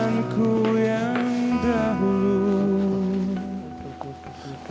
nihidurin dia nung mas